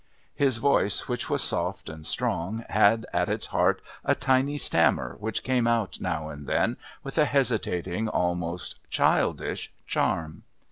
His voice, which was soft and strong, had at its heart a tiny stammer which came out now and then with a hesitating, almost childish, charm.